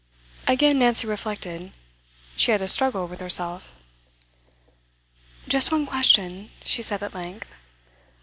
Again Nancy reflected. She had a struggle with herself. 'Just one question,' she said at length.